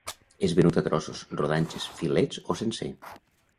És venut a trossos, rodanxes, filets o sencer.